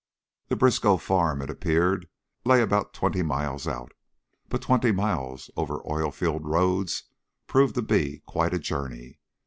The Briskow farm, it appeared, lay about twenty miles out, but twenty miles over oil field roads proved to be quite a journey.